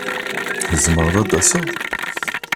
Tzemreḍ ad taseḍ?